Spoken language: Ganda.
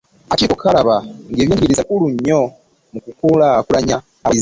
Akakiiko kalaba ng’ebyenjigiriza bikulu nnyo mu kukulaakulanya abakazi.